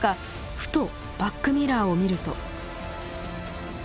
ふとバックミラーを見ると。